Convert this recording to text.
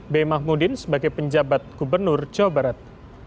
b mahmudin sebagai penjabat gubernur jawa barat